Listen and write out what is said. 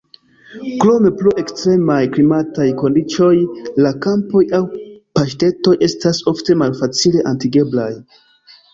Krome pro ekstremaj klimataj kondiĉoj la kampoj aŭ paŝtejoj estas ofte malfacile atingeblaj.